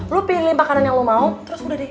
lo pilih makanan yang lo mau terus udah deh